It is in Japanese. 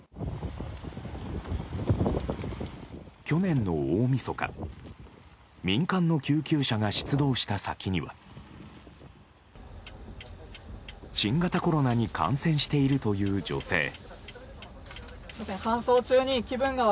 去年の大みそか民間の救急車が出動した先には新型コロナに感染しているという女性。